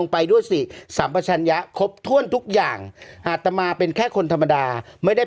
ไปด้วยสิสัมปชัญญะครบถ้วนทุกอย่างอาตมาเป็นแค่คนธรรมดาไม่ได้